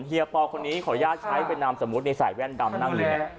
เฮียปอล์คนนี้ขออนุญาตใช้เป็นนามสมมติในสายแว่นดำนั่งหนึ่ง